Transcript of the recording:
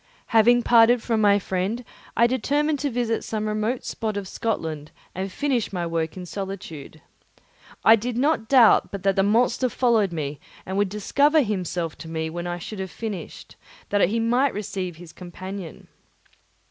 Having parted from my friend, I determined to visit some remote spot of Scotland and finish my work in solitude. I did not doubt but that the monster followed me and would discover himself to me when I should have finished, that he might receive his companion.